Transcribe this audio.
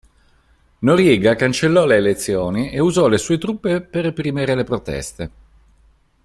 Noriega cancellò le elezioni e usò le sue truppe per reprimere le proteste.